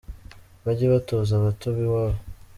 Bajye batoza abato b’iwabo